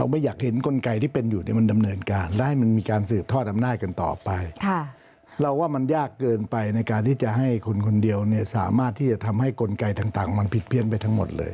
สามารถที่จะทำให้กลไกต่างมันผิดเพี้ยนไปทั้งหมดเลย